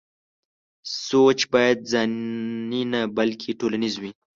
سوچ بايد ځاني نه بلکې ټولنيز وي.